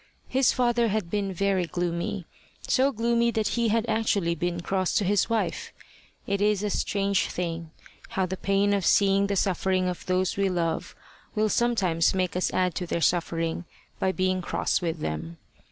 His father had been very gloomy so gloomy that he had actually been cross to his wife. It is a strange thing how pain of seeing the suffering of those we love will sometimes make us add to their suffering by being cross with them.